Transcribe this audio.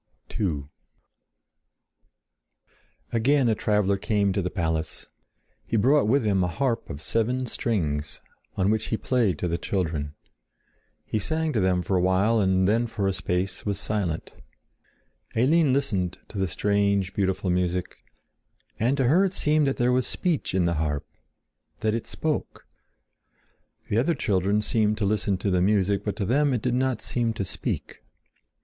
II Again a traveler came to the palace. He brought with him a harp of seven strings, on which he played to the children. He sang to them for a while and then for a space was silent. Eline listened to the strange, beautiful music. And to her it seemed that there was speech in the harp—that it spoke. The other children seemed to listen to the music, but to them it did not seem to speak.